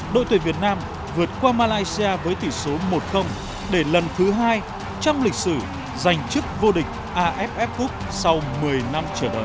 đội tuyển việt nam vượt qua malaysia với tỷ số một để lần thứ hai trăm linh lịch sử giành chức vô địch aff cup sau một mươi năm trở đời